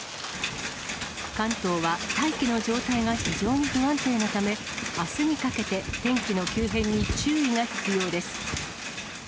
関東は大気の状態が非常に不安定なため、あすにかけて天気の急変に注意が必要です。